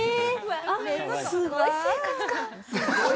すごい生活感！